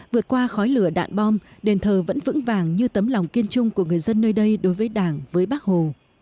vượt qua khói lửa đạn bom đền thờ vẫn vững vàng như tấm lòng kiên trung của người dân nơi đây đối với đảng với bác hồ